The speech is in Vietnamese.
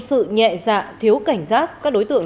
sự nhẹ dạ thiếu cảnh giác các đối tượng